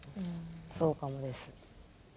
そうかもです。